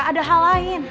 ada hal lain